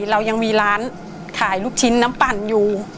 เรายังมีร้านขายลูกชิ้นน้ำปั่นอยู่